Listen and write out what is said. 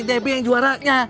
debbie yang juaranya